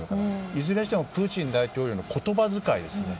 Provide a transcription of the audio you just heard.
いずれにしてもプーチン大統領の言葉遣いですね。